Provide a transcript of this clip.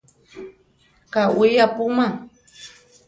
Káwi apúma.